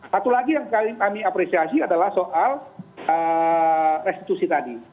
satu lagi yang kami apresiasi adalah soal restitusi tadi